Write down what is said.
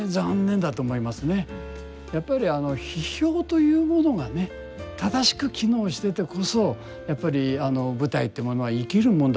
やっぱり批評というものがね正しく機能しててこそやっぱり舞台っていうものは生きるもんだと思うんですね。